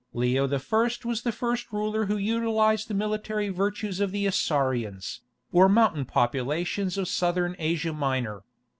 Leo I. was the first ruler who utilized the military virtues of the Isaurians, or mountain populations of Southern Asia Minor.